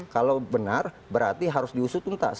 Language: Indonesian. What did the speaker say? kalau benar berarti harus diusut untas